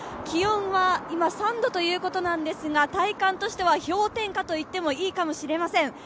気温は今、３度ということなんですが、体感としては氷点下と言ってもいいかもしれません。